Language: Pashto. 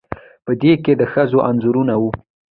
په دې کې د ښځو انځورونه وو